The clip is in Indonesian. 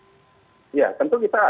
apakah teman teman dari koalisi sudah siap